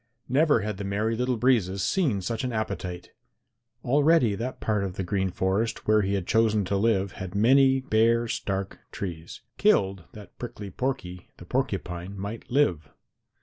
Never had the Merry Little Breezes seen such an appetite! Already that part of the Green Forest where he had chosen to live had many bare stark trees, killed that Prickly Porky the Porcupine might live.